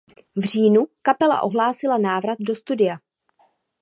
V říjnu kapela ohlásila návrat do studia.